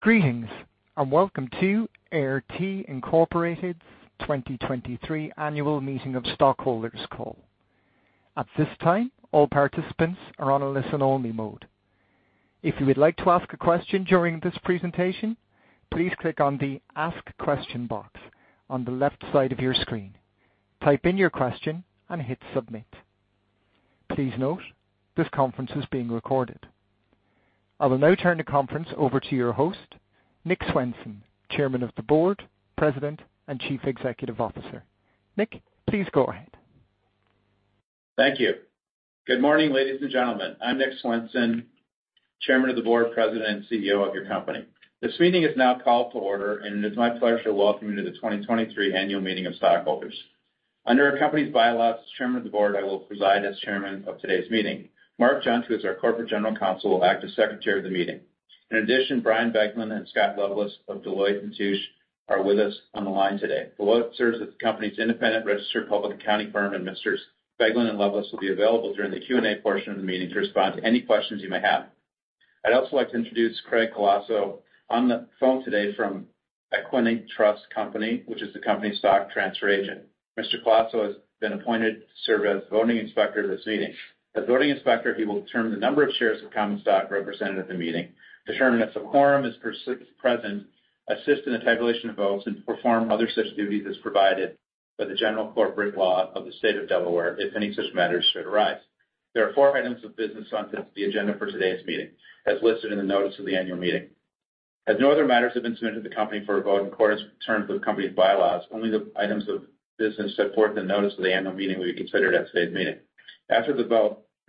Greetings, and welcome to Air T, Inc.'s 2023 Annual Meeting of Stockholders Call. At this time, all participants are on a listen-only mode. If you would like to ask a question during this presentation, please click on the Ask Question box on the left side of your screen, type in your question, and hit Submit. Please note, this conference is being recorded. I will now turn the conference over to your host, Nick Swenson, Chairman of the Board, President, and Chief Executive Officer. Nick, please go ahead. Thank you. Good morning, ladies and gentlemen. I'm Nick Swenson, Chairman of the Board, President, and CEO of your company. This meeting is now called to order, and it is my pleasure to welcome you to the 2023 Annual Meeting of Stockholders. Under our company's bylaws, as chairman of the board, I will preside as chairman of today's meeting. Mark Jundt, who is our Corporate General Counsel, will act as secretary of the meeting. In addition, Brian Beglin and Scott Loveless of Deloitte & Touche are with us on the line today. Deloitte serves as the company's independent registered public accounting firm, and Messrs. Beglin and Loveless will be available during the Q&A portion of the meeting to respond to any questions you may have. I'd also like to introduce Craig Colosso on the phone today from Equiniti Trust Company, which is the company's stock transfer agent. Mr. Colosso has been appointed to serve as voting inspector of this meeting. As voting inspector, he will determine the number of shares of common stock represented at the meeting, determine if the quorum is present, assist in the tabulation of votes, and perform other such duties as provided by the General Corporation Law of the State of Delaware if any such matters should arise. There are four items of business on the agenda for today's meeting, as listed in the notice of the annual meeting. As no other matters have been submitted to the company for a vote in accordance with the company's bylaws, only the items of business set forth in the notice of the annual meeting will be considered at today's meeting.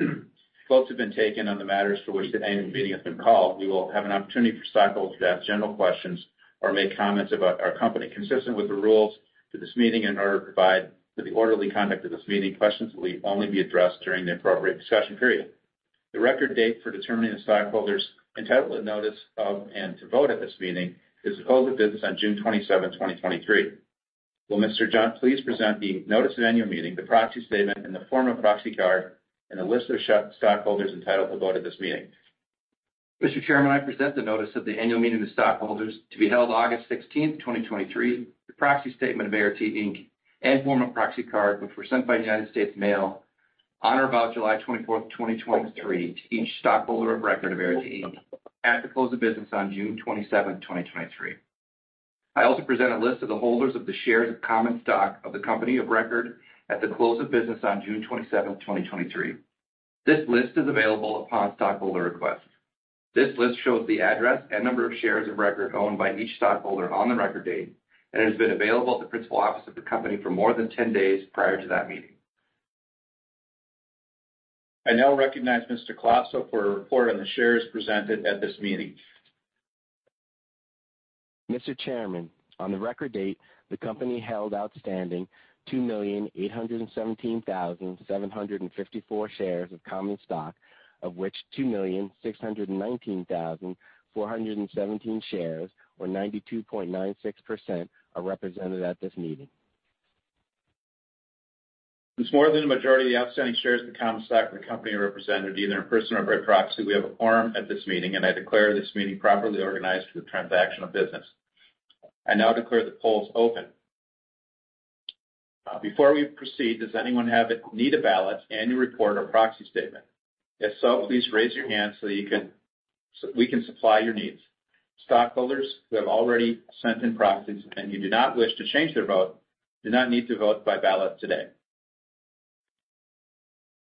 After the vote, votes have been taken on the matters for which today's meeting has been called, we will have an opportunity for stockholders to ask general questions or make comments about our company. Consistent with the rules to this meeting and in order to provide for the orderly conduct of this meeting, questions will only be addressed during the appropriate discussion period. The record date for determining the stockholders entitled to notice of, and to vote at this meeting is the close of business on June 27, 2023. Will Mr. Jundt please present the notice of annual meeting, the proxy statement, and the form of proxy card, and a list of stockholders entitled to vote at this meeting? Mr. Chairman, I present the notice of the annual meeting of the stockholders to be held August 16th, 2023, the proxy statement of Air T, Inc., and form of proxy card, which were sent by United States Mail on or about July 24th, 2023, to each stockholder of record of Air T, Inc. at the close of business on June 27th, 2023. I also present a list of the holders of the shares of common stock of the company of record at the close of business on June 27th, 2023. This list is available upon stockholder request. This list shows the address and number of shares of record owned by each stockholder on the record date, and it has been available at the principal office of the company for more than 10 days prior to that meeting. I now recognize Mr. Colosso for a report on the shares presented at this meeting. Mr. Chairman, on the record date, the company held outstanding 2,817,754 shares of common stock, of which 2,619,417 shares, or 92.96%, are represented at this meeting. Since more than the majority of the outstanding shares of the common stock of the company are represented either in person or by proxy, we have a quorum at this meeting, and I declare this meeting properly organized for the transaction of business. I now declare the polls open. Before we proceed, does anyone need a ballot, annual report, or proxy statement? If so, please raise your hand so that we can supply your needs. Stockholders who have already sent in proxies and who do not wish to change their vote do not need to vote by ballot today.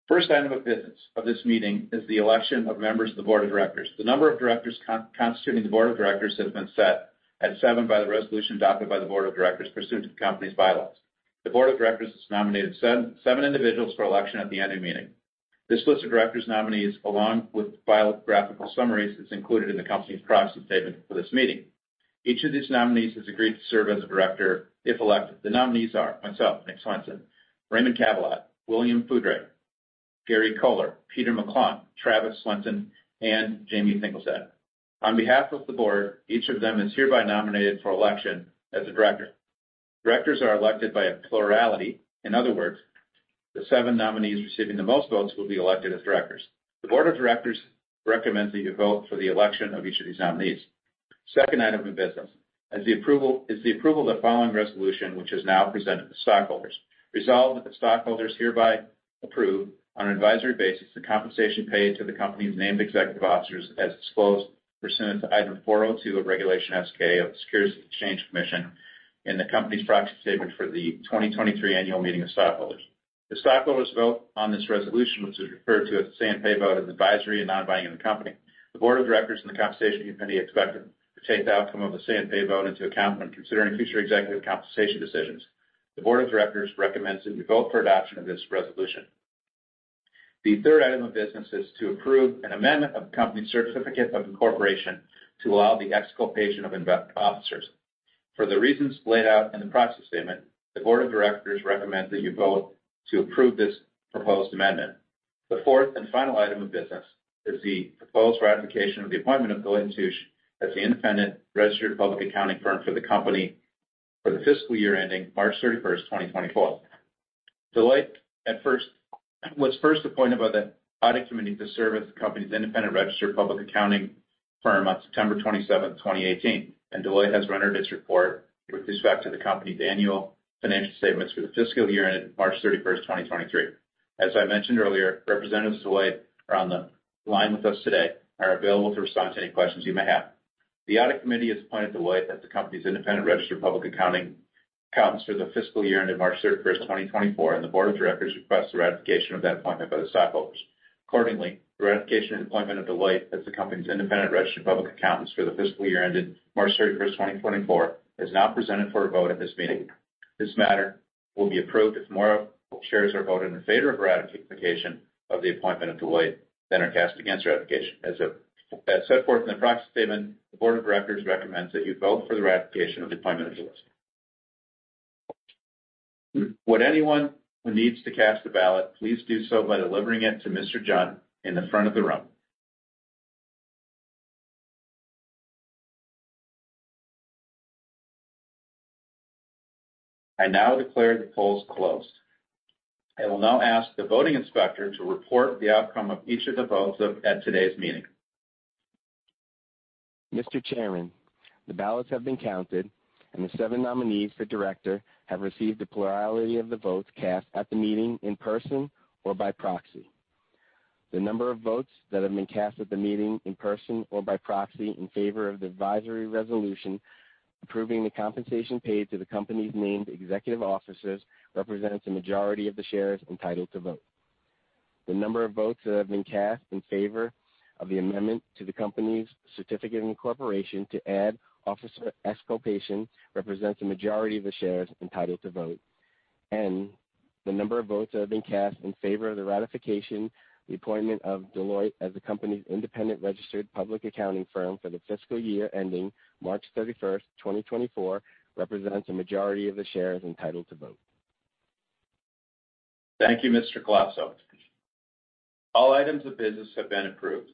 First item of business of this meeting is the election of members of the board of directors. The number of directors constituting the board of directors has been set at seven by the resolution adopted by the board of directors pursuant to the company's bylaws. The board of directors has nominated 7, 7 individuals for election at the annual meeting. This list of directors nominees, along with biographical summaries, is included in the company's proxy statement for this meeting. Each of these nominees has agreed to serve as a director if elected. The nominees are: myself, Nick Swenson, Raymond Cabillot, William Foudray, Gary Kohler, Peter McClung, Travis Swenson, and Jamie Thingelstad. On behalf of the board, each of them is hereby nominated for election as a director. Directors are elected by a plurality. In other words, the 7 nominees receiving the most votes will be elected as directors. The board of directors recommends that you vote for the election of each of these nominees. Second item of business is the approval, is the approval of the following resolution, which is now presented to stockholders. Resolved that the stockholders hereby approve on an advisory basis, the compensation paid to the company's named executive officers as disclosed pursuant to Item 402 of Regulation S-K of the Securities and Exchange Commission and the company's proxy statement for the 2023 annual meeting of stockholders. The stockholders vote on this resolution, which is referred to as a Say on Pay vote, is advisory and non-binding on the company. The board of directors and the Compensation Committee expect to take the outcome of the Say on Pay vote into account when considering future executive compensation decisions. The board of directors recommends that we vote for adoption of this resolution. The third item of business is to approve an amendment of the company's Certificate of Incorporation to allow the exculpation of invest officers. For the reasons laid out in the proxy statement, the board of directors recommends that you vote to approve this proposed amendment. The fourth and final item of business is the proposed ratification of the appointment of Deloitte & Touche as the independent registered public accounting firm for the company for the fiscal year ending March 31, 2024. Deloitte at first, was first appointed by the Audit Committee to serve as the company's independent registered public accounting firm on September 27, 2018. Deloitte has rendered its report with respect to the company's annual financial statements for the fiscal year ended March 31, 2023. As I mentioned earlier, representatives of Deloitte are on the line with us today, are available to respond to any questions you may have. The Audit Committee has appointed Deloitte as the company's independent registered public accounting accountants for the fiscal year ended March 31st, 2024, and the board of directors requests the ratification of that appointment by the stockholders. Accordingly, the ratification and appointment of Deloitte as the company's independent registered public accountants for the fiscal year ended March 31st, 2024, is now presented for a vote at this meeting. This matter will be approved if more shares are voted in favor of ratification of the appointment of Deloitte than are cast against ratification. As set forth in the proxy statement, the board of directors recommends that you vote for the ratification of the appointment of Deloitte. Would anyone who needs to cast a ballot, please do so by delivering it to Mr. Jundt in the front of the room. I now declare the polls closed. I will now ask the voting inspector to report the outcome of each of the votes at today's meeting. Mr. Chairman, the ballots have been counted, the 7 nominees for director have received a plurality of the votes cast at the meeting, in person or by proxy. The number of votes that have been cast at the meeting, in person or by proxy, in favor of the advisory resolution, approving the compensation paid to the company's named executive officers, represents a majority of the shares entitled to vote. The number of votes that have been cast in favor of the amendment to the company's Certificate and Incorporation to add officer exculpation, represents a majority of the shares entitled to vote. The number of votes that have been cast in favor of the ratification, the appointment of Deloitte as the company's independent registered public accounting firm for the fiscal year ending March 31, 2024, represents a majority of the shares entitled to vote. Thank you, Mr. Colosso. All items of business have been approved.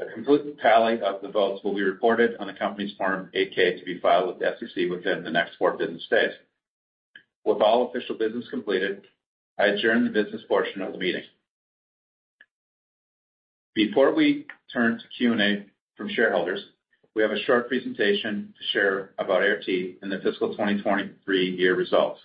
A complete tally of the votes will be reported on the company's Form 8-K, to be filed with the SEC within the next four business days. With all official business completed, I adjourn the business portion of the meeting. Before we turn to Q&A from shareholders, we have a short presentation to share about Air T and the fiscal 2023 year results.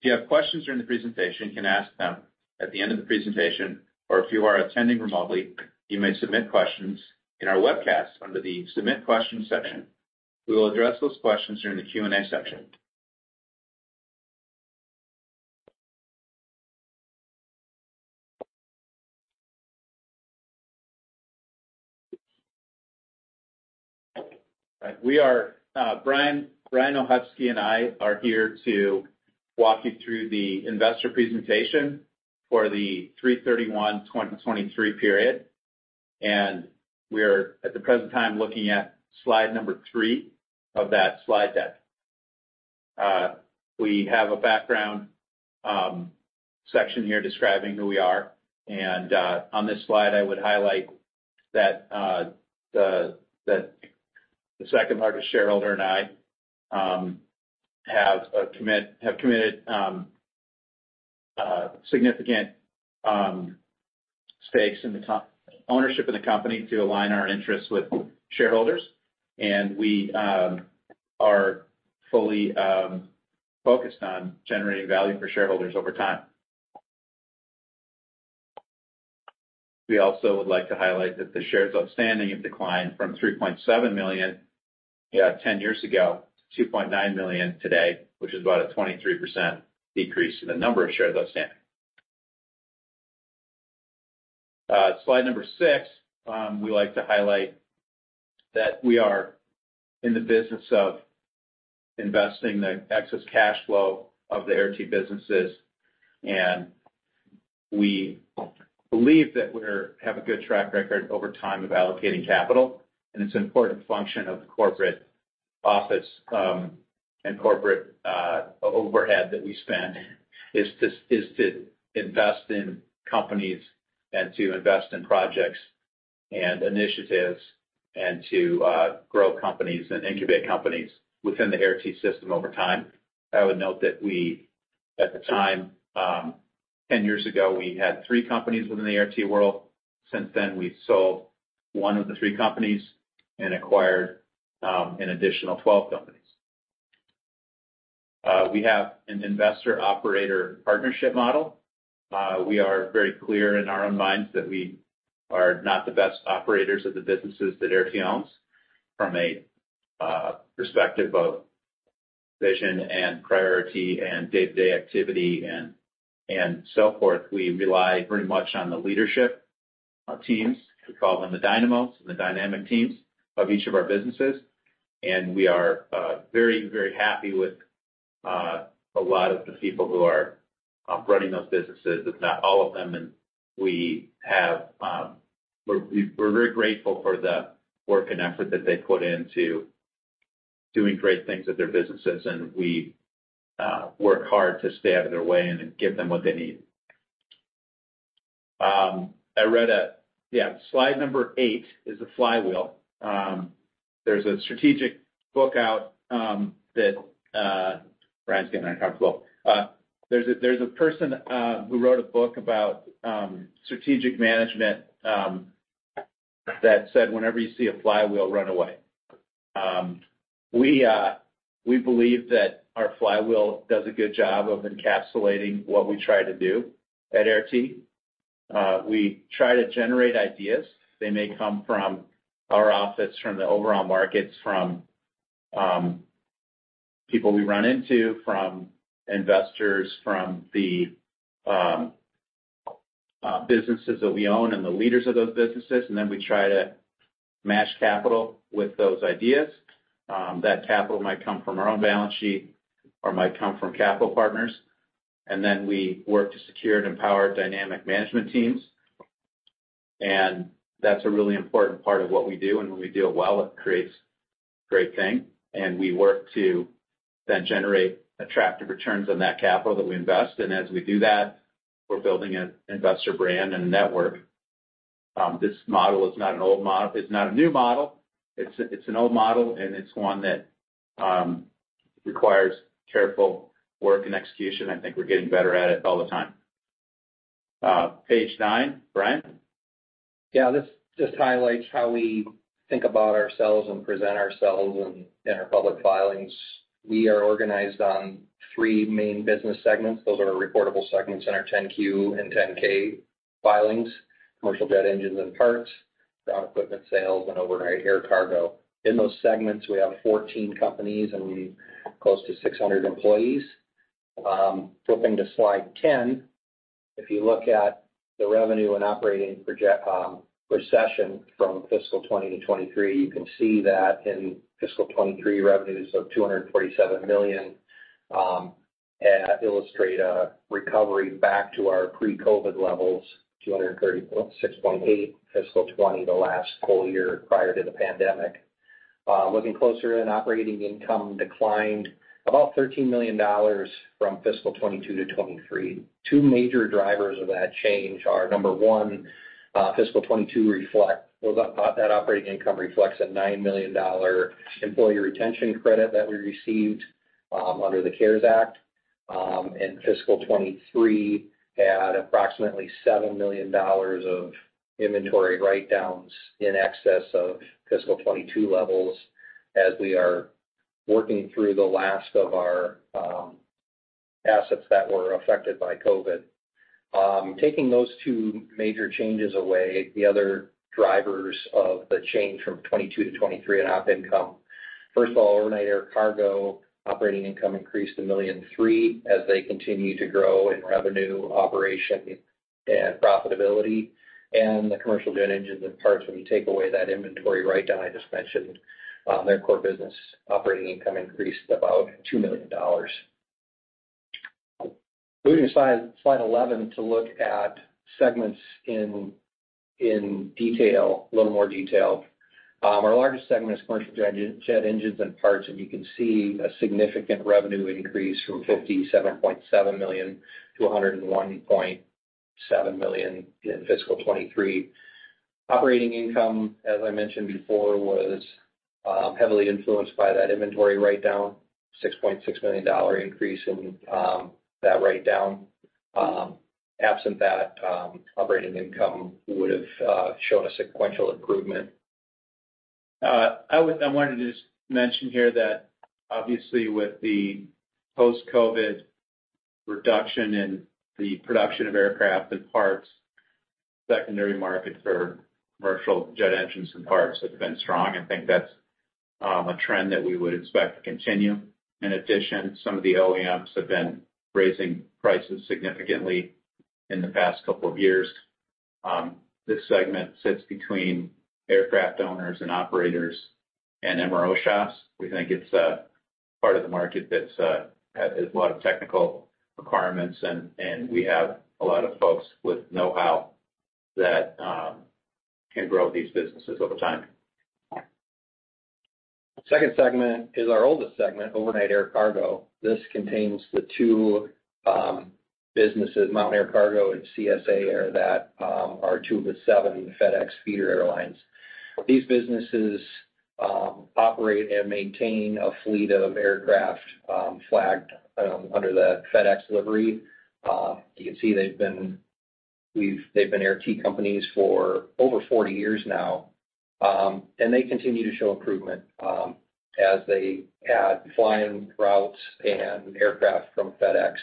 If you have questions during the presentation, you can ask them at the end of the presentation, or if you are attending remotely, you may submit questions in our webcast under the Submit Question section. We will address those questions during the Q&A session. Right. We are Brian Ochocki and I are here to walk you through the investor presentation for the 3/31/2023 period, and we're, at the present time, looking at slide 3 of that slide deck. We have a background section here describing who we are, and on this slide, I would highlight that the second-largest shareholder and I have committed significant stakes in the ownership in the company to align our interests with shareholders. We are fully focused on generating value for shareholders over time. We also would like to highlight that the shares outstanding have declined from 3.7 million 10 years ago, to 2.9 million today, which is about a 23% decrease in the number of shares outstanding. Slide 6. We like to highlight that we are in the business of investing the excess cash flow of the Air T businesses, and we believe that we're, have a good track record over time of allocating capital. And it's an important function of the corporate office, and corporate overhead that we spend, is to, is to invest in companies and to invest in projects and initiatives, and to grow companies and incubate companies within the Air T system over time. I would note that we, at the time, 10 years ago, we had three companies within the Air T world. Since then, we've sold one of the three companies and acquired an additional 12 companies. We have an investor-operator partnership model. We are very clear in our own minds that we are not the best operators of the businesses that Air T owns. From a perspective of vision and priority and day-to-day activity and so forth, we rely very much on the leadership teams. We call them the dynamos and the dynamic teams of each of our businesses. We are very, very happy with a lot of the people who are operating those businesses, if not all of them. We have, we're very grateful for the work and effort that they put into doing great things with their businesses, and we work hard to stay out of their way and give them what they need. I read a, yeah, slide number 8 is the flywheel. There's a strategic book out that Brian's getting uncomfortable. There's a, there's a person who wrote a book about strategic management that said, "Whenever you see a flywheel, run away." We believe that our flywheel does a good job of encapsulating what we try to do at Air T. We try to generate ideas. They may come from our office, from the overall markets, from people we run into, from investors, from the businesses that we own and the leaders of those businesses, then we try to match capital with those ideas. That capital might come from our own balance sheet or might come from capital partners, then we work to secure and empower dynamic management teams. That's a really important part of what we do, and when we do it well, it creates great thing. We work to then generate attractive returns on that capital that we invest, and as we do that, we're building an investor brand and network. This model is not an old model, it's not a new model, it's, it's an old model, and it's one that requires careful work and execution. I think we're getting better at it all the time. Page 9, Brian? Yeah. This just highlights how we think about ourselves and present ourselves in, in our public filings. We are organized on 3 main business segments. Those are reportable segments in our Form 10-Q and Form 10-K filings, commercial jet engines and parts, ground equipment sales, and overnight air cargo. In those segments, we have 14 companies and close to 600 employees. Flipping to slide 10, if you look at the revenue and operating project recession from fiscal 20 to 23, you can see that in fiscal 23, revenues of $247 million and illustrate a recovery back to our pre-COVID levels, $236.8 million, fiscal 20, the last full year prior to the pandemic. Looking closer in, operating income declined about $13 million from fiscal 22 to 23. Two major drivers of that change are, number one, fiscal 2022 Well, that operating income reflects a $9 million Employee Retention Credit that we received under the CARES Act, and fiscal 2023 had approximately $7 million of inventory write-downs in excess of fiscal 2022 levels, as we are working through the last of our assets that were affected by COVID. Taking those two major changes away, the other drivers of the change from 2022 to 2023 in op income. First of all, overnight air cargo, operating income increased $1.3 million as they continue to grow in revenue, operation, and profitability, and the commercial jet engines and parts, when you take away that inventory write-down I just mentioned, their core business operating income increased about $2 million. Moving to slide 11 to look at segments in detail, a little more detail. Our largest segment is commercial jet engines and parts, you can see a significant revenue increase from $57.7 million to $101.7 million in fiscal 2023. Operating income, as I mentioned before, was heavily influenced by that inventory write-down, a $6.6 million increase in that write-down. Absent that, operating income would've shown a sequential improvement. I would-- I wanted to just mention here that obviously, with the post-COVID reduction in the production of aircraft and parts, secondary market for commercial jet engines and parts have been strong. I think that's a trend that we would expect to continue. In addition, some of the OEMs have been raising prices significantly in the past couple of years. This segment sits between aircraft owners and operators and MRO shops. We think it's a part of the market that's has a lot of technical requirements, and, and we have a lot of folks with know-how that can grow these businesses over time. Second segment is our oldest segment, Overnight Air Cargo. This contains the two businesses, Mountain Air Cargo and CSA Air, that are two of the seven FedEx feeder airlines. These businesses operate and maintain a fleet of aircraft, flagged under the FedEx delivery. You can see they've been Air T companies for over 40 years now, and they continue to show improvement as they add flying routes and aircraft from FedEx,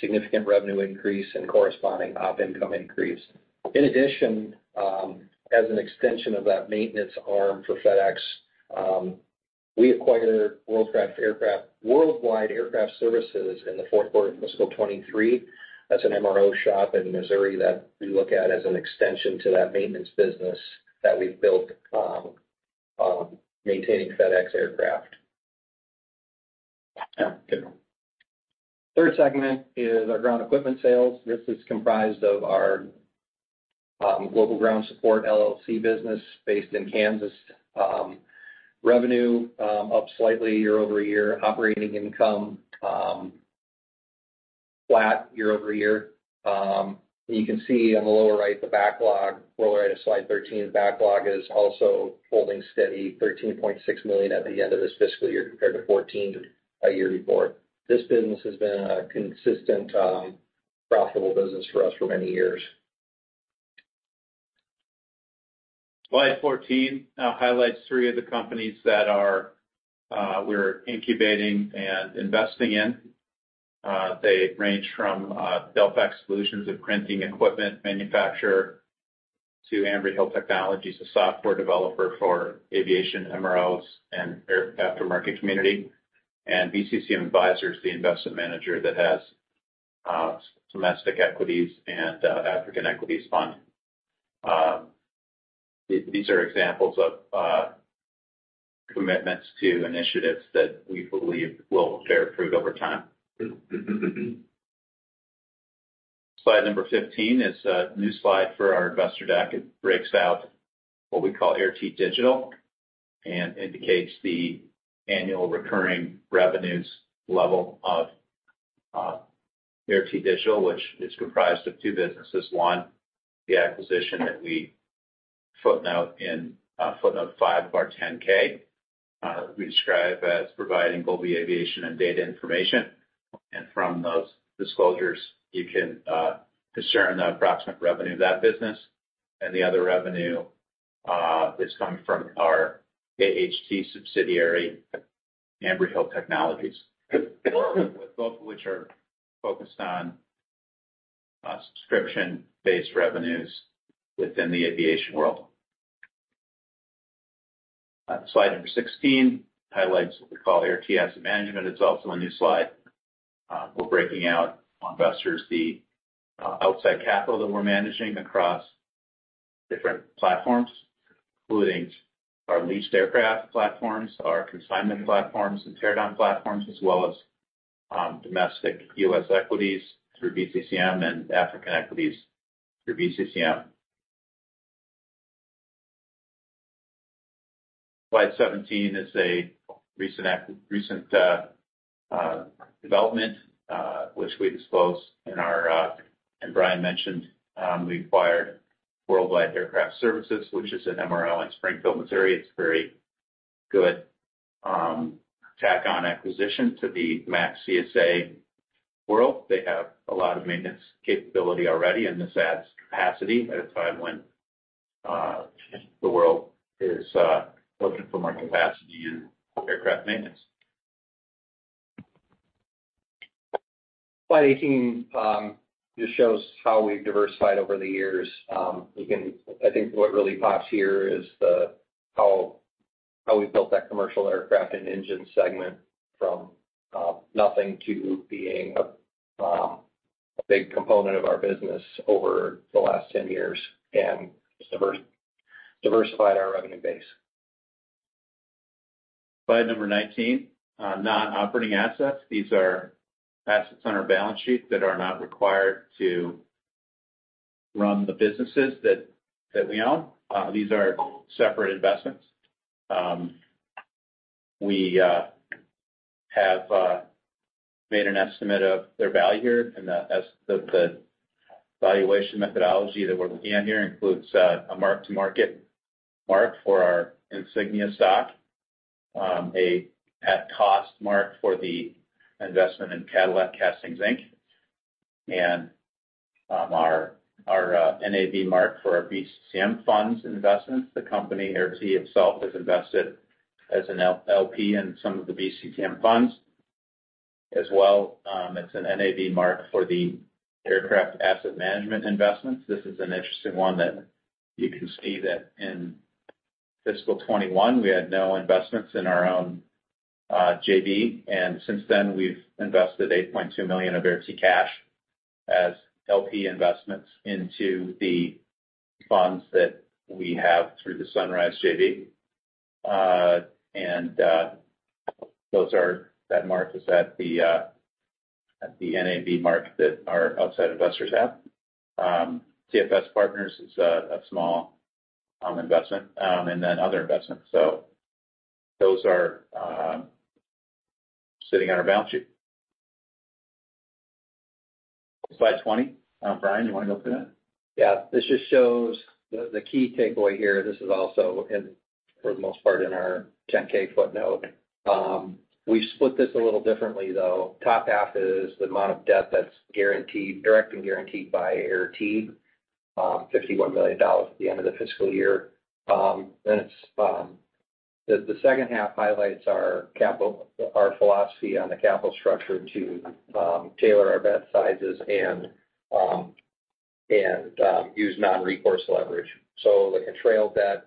significant revenue increase and corresponding op income increase. In addition, as an extension of that maintenance arm for FedEx, we acquired Worldwide Aircraft Services in the fourth quarter of fiscal 23. That's an MRO shop in Missouri that we look at as an extension to that maintenance business that we've built, maintaining FedEx aircraft. Yeah. Good. Third segment is our ground equipment sales. This is comprised of our Global Ground Support, LLC business based in Kansas. Revenue, up slightly year-over-year. Operating income, flat year-over-year. You can see on the lower right, the backlog, lower right of Slide 13, backlog is also holding steady, $13.6 million at the end of this fiscal year, compared to $14 million a year before. This business has been a consistent profitable business for us for many years. Slide 14 highlights three of the companies that are we're incubating and investing in. They range from Delphax Solutions, a printing equipment manufacturer, to Ambry Hill Technologies, a software developer for aviation MROs and air aftermarket community, and BCCM Advisors, the investment manager that has domestic equities and African equities fund. These are examples of commitments to initiatives that we believe will bear fruit over time. Slide number 15 is a new slide for our investor deck. It breaks out what we call Air T Digital, and indicates the Annual Recurring Revenue level of Air T Digital, which is comprised of two businesses. One, the acquisition that we footnote in footnote 5 of our 10-K, we describe as providing global aviation and data information. From those disclosures, you can discern the approximate revenue of that business. The other revenue is coming from our AHT subsidiary, Ambry Hill Technologies, both of which are focused on subscription-based revenues within the aviation world. Slide number 16 highlights what we call Air T Asset Management. It's also a new slide. We're breaking out on investors the outside capital that we're managing across different platforms, including our leased aircraft platforms, our consignment platforms, and teardown platforms, as well as domestic US equities through BCCM and African equities through BCCM. Slide 17 is a recent development which we disclose in our. Brian mentioned, we acquired Worldwide Aircraft Services, which is an MRO in Springfield, Missouri. It's very good tack-on acquisition to the MAX CSA world. They have a lot of maintenance capability already, and this adds capacity at a time when, the world is, looking for more capacity in aircraft maintenance. Slide 18 just shows how we've diversified over the years. I think what really pops here is the, how, how we've built that commercial aircraft and engine segment from nothing to being a big component of our business over the last 10 years and diversified, diversified our revenue base. Slide number 19, non-operating assets. These are assets on our balance sheet that are not required to run the businesses that, that we own. These are separate investments. We have made an estimate of their value here, and the the valuation methodology that we're looking at here includes a mark-to-market mark for our Insignia stock, a at cost mark for the investment in Cadillac Casting, Inc., and our, our, NAV mark for our BCCM funds investments. The company, Air T itself, is invested as an LP in some of the BCCM funds as well. It's an NAV mark for the aircraft asset management investments. This is an interesting one that you can see that in fiscal 2021, we had no investments in our own JV. Since then, we've invested $8.2 million of Air T cash as LP investments into the funds that we have through the Sunrise JV. That mark is at the NAV mark that our outside investors have. TFS Partners is a small investment, and then other investments. Those are sitting on our balance sheet. Slide 20, Brian, you want to go through that? Yeah. This just shows the, the key takeaway here. This is also in, for the most part, in our 10-K footnote. We've split this a little differently, though. Top half is the amount of debt that's guaranteed, directly guaranteed by Air T, $51 million at the end of the fiscal year. Then it's the second half highlights our capital- our philosophy on the capital structure to tailor our bet sizes and and use non-recourse leverage. The Contrail debt,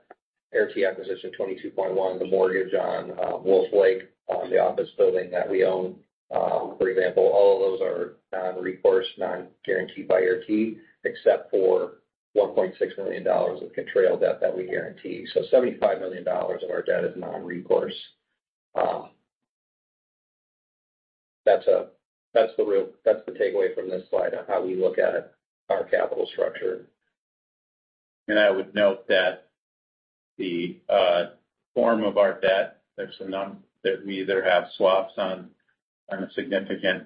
Air T acquisition $22.1 million, the mortgage on Wolfe Lake, the office building that we own, for example, all of those are non-recourse, non-guaranteed by Air T, except for $1.6 million of Contrail debt that we guarantee. $75 million of our debt is non-recourse. That's, that's the takeaway from this slide on how we look at our capital structure. I would note that the form of our debt, there's none, that we either have swaps on, on a significant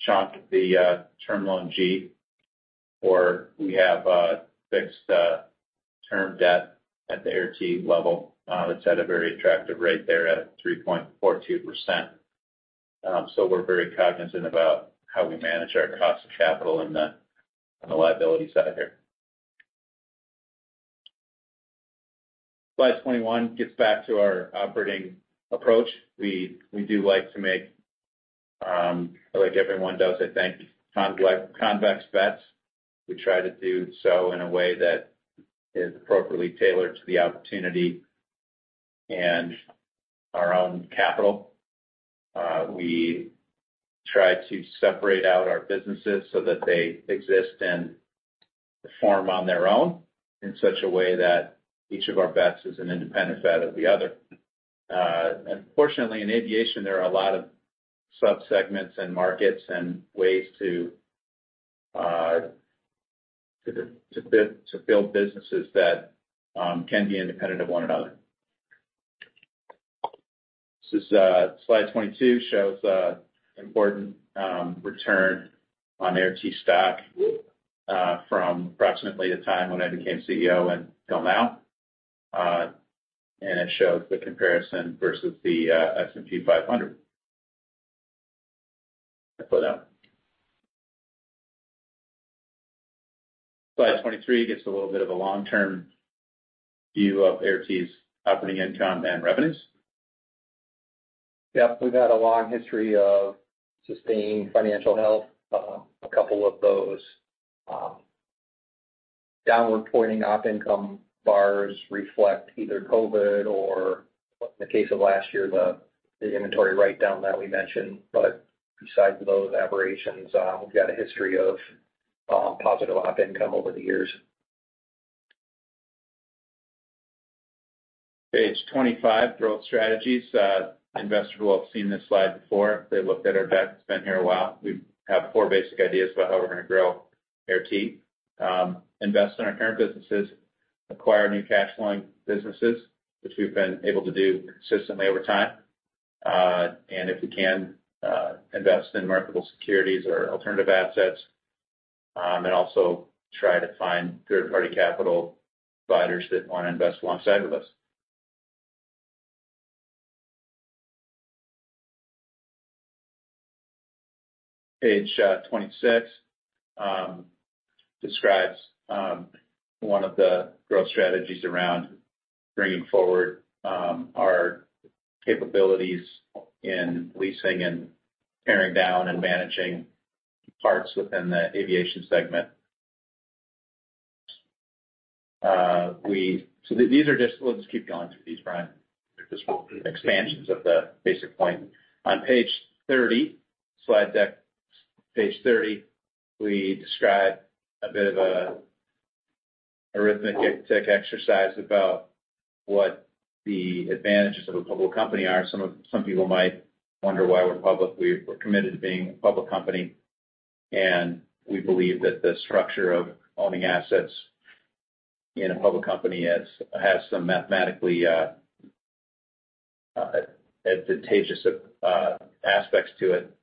chunk of the Term Loan G, or we have a fixed term debt at the Air T level, that's at a very attractive rate there at 3.42%. So we're very cognizant about how we manage our cost of capital on the liability side here. Slide 21 gets back to our operating approach. We, we do like to make, like everyone does, I think, convex bets. We try to do so in a way that is appropriately tailored to the opportunity and our own capital. We try to separate out our businesses so that they exist and perform on their own in such a way that each of our bets is an independent bet of the other. Fortunately, in aviation, there are a lot of subsegments and markets and ways to to to build to build businesses that can be independent of one another. This is slide 22, shows important return on Air T stock from approximately the time when I became CEO until now. It shows the comparison versus the S&P 500 for them. Slide 23 gets a little bit of a long-term view of Air T's operating income and revenues. Yep, we've had a long history of sustaining financial health. A couple of those, downward-pointing op income bars reflect either COVID or, in the case of last year, the, the inventory write-down that we mentioned. Besides those aberrations, we've got a history of, positive op income over the years. Page 25, growth strategies. Investors will have seen this slide before. They looked at our debt, been here a while. We have 4 basic ideas about how we're going to grow Air T. Invest in our current businesses, acquire new cash flowing businesses, which we've been able to do consistently over time. If we can, invest in marketable securities or alternative assets, and also try to find third-party capital providers that want to invest alongside with us. Page 26, describes one of the growth strategies around bringing forward our capabilities in leasing and tearing down and managing parts within the aviation segment. Let's keep going through these, Brian. They're just expansions of the basic point. On page 30, slide deck, page 30, we describe a bit of a arithmetic tech exercise about what the advantages of a public company are. Some people might wonder why we're public. We're, we're committed to being a public company, and we believe that the structure of owning assets in a public company has, has some mathematically advantageous aspects to it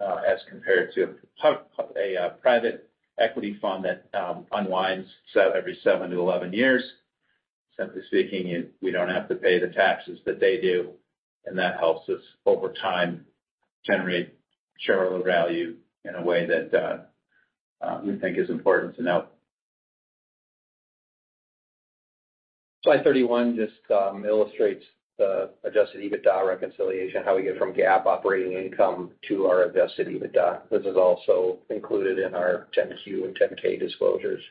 as compared to a private equity fund that unwinds every 7-11 years. Simply speaking, we don't have to pay the taxes that they do, and that helps us, over time, generate shareholder value in a way that we think is important to note. Slide 31 just illustrates the adjusted EBITDA reconciliation, how we get from GAAP operating income to our invested EBITDA. This is also included in our Form 10-Q and Form 10-K disclosures.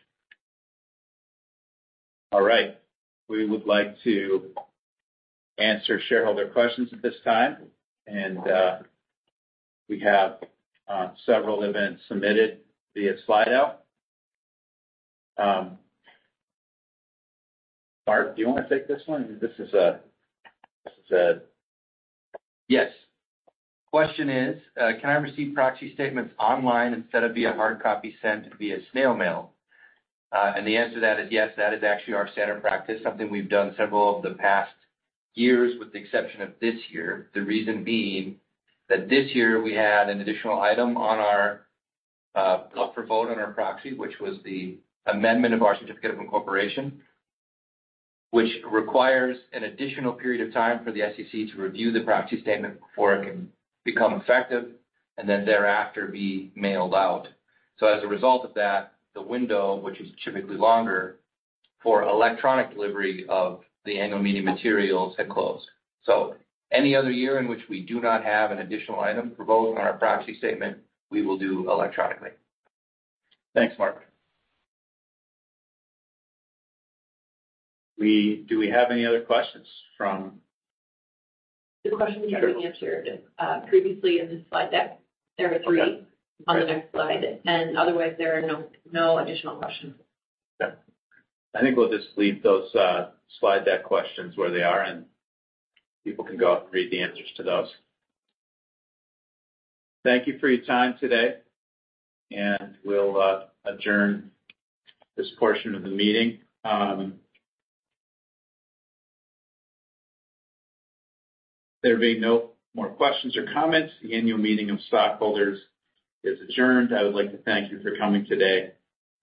All right, we would like to answer shareholder questions at this time, and we have several events submitted via Slido. Mark, do you want to take this one? Yes. Question is, "Can I receive proxy statements online instead of via hard copy sent via snail mail?" The answer to that is yes, that is actually our standard practice, something we've done several of the past years, with the exception of this year. The reason being that this year we had an additional item on our up for vote on our proxy, which was the amendment of our Certificate of Incorporation, which requires an additional period of time for the SEC to review the proxy statement before it can become effective and then thereafter be mailed out. As a result of that, the window, which is typically longer for electronic delivery of the annual meeting materials, had closed. Any other year in which we do not have an additional item for both on our proxy statement, we will do electronically. Thanks, Mark. Do we have any other questions? The questions have been answered, previously in the slide deck. There are three on the next slide, and otherwise, there are no, no additional questions. Yeah. I think we'll just leave those, slide deck questions where they are, and people can go out and read the answers to those. Thank you for your time today, and we'll, adjourn this portion of the meeting. There being no more questions or comments, the annual meeting of stockholders is adjourned. I would like to thank you for coming today,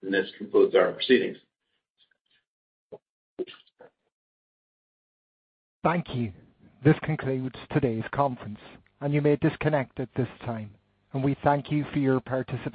and this concludes our proceedings. Thank you. This concludes today's conference, and you may disconnect at this time, and we thank you for your participation.